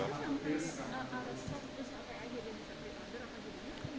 bisa sampai kalau stok stoknya pakai aja bisa pakai kabel apa juga